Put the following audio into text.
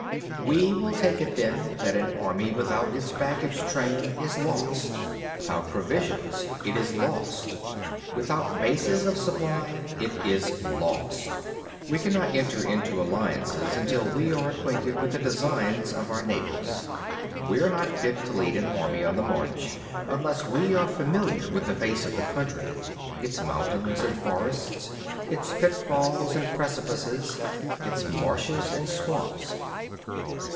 11. We may take it then that an army without its baggage train is lost; without provisions it is lost; without bases of supply it is lost. 12. We cannot enter into alliances until we are acquainted with the designs of our neighbours. 13. We are not fit to lead an army on the march unless we are familiar with the face of the country—its mountains and forests, its pitfalls and precipices, its marshes and swamps.